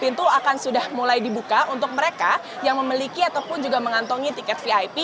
pintu akan sudah mulai dibuka untuk mereka yang memiliki ataupun juga mengantongi tiket vip